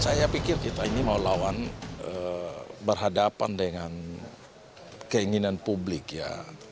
saya pikir kita ini mau lawan berhadapan dengan keinginan publik ya